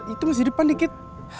itu masih depan dikit